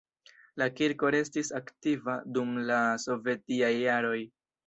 La kirko restis aktiva dum la sovetiaj jaroj.